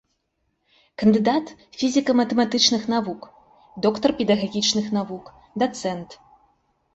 Кандыдат фізіка-матэматычных навук, доктар педагагічных навук, дацэнт.